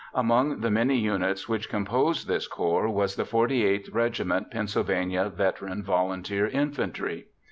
Among the many units which composed this corps was the 48th Regiment, Pennsylvania Veteran Volunteer Infantry.